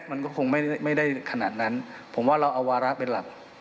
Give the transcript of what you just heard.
มันก็คงไม่ได้ขนาดนั้นผมว่าเราเอาวาระเป็นหลัก